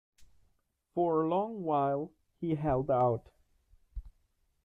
For a long while he held out.